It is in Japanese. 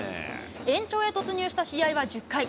延長へ突入した試合は１０回。